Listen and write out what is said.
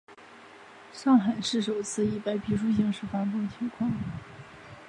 上海市首次以白皮书形式发布法治政府建设情况。